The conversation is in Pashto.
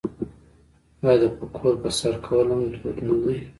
آیا د پکول په سر کول هم دود نه دی؟